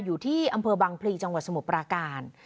อยู่ที่อำเภอบังพลีจังหวัดสมุทรปราการ